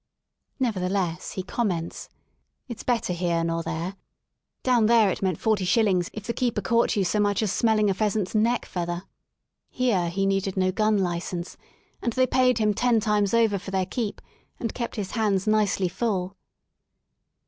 Nevertheless, he comments; '*It's better here nor there. — Down there it meant forty shillings if the keeper caught you so much as smelling a pheasant's neck 127 i THE SOUL OF LONDON \l (feather." — Here he needed no gun license, and they paid him ten times over for their keep, and kept his hands nicely full.